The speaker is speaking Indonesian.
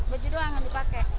baju doang yang dipakai